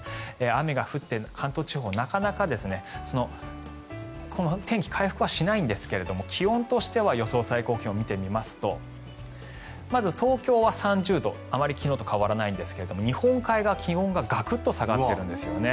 雨が降って関東地方なかなか、天気回復はしないんですが気温としては予想最高気温、見てみますとまず、東京は３０度あまり昨日とは変わりませんが日本海側、気温がガクッと下がってるんです。